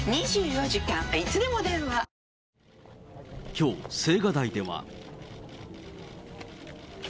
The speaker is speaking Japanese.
今、きょう、青瓦台では。